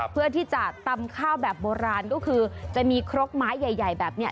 เพื่อที่จะตำข้าวแบบโบราณก็คือจะมีครกไม้ใหญ่แบบนี้